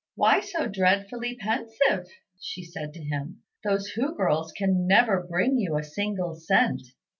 "Why so dreadfully pensive?" said she to him; "those Hu girls can never bring you a single cent."